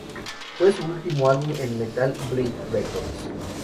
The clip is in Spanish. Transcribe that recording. Fue su último álbum en Metal Blade Records.